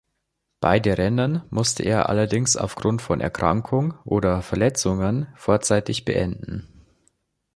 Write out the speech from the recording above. Beide Rennen musste er allerdings aufgrund von Erkrankung oder Verletzungen vorzeitig beenden.